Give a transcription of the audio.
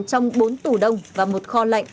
trong bốn tủ đông và một kho lạnh